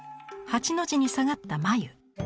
八の字に下がった眉。